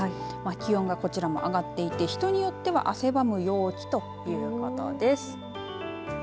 気温が、こちらも上がっていて人によっては汗ばむ陽気ということです。